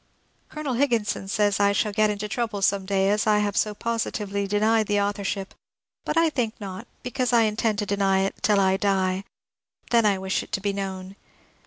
Colonel Higginson says I shall get into trouble some day, as I have so positively denied the authorship ; but I think not, because I intend to deny it till I die. Then I wish it to be known.